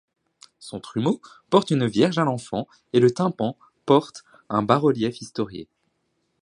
Son trumeau porte une Vierge à l'Enfant, et le tympan porte un bas-relief historié.